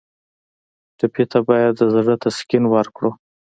ټپي ته باید د زړه تسکین ورکړو.